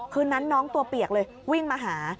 คืนนั้นน้องตัวเปียกเลยวิ่งมาหา